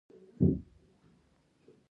د هرات په ګذره کې د مالګې نښې شته.